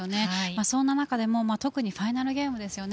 そんな中でも特にファイナルゲームですよね。